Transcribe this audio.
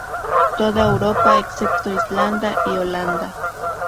Toda Europa, excepto Islandia y Holanda.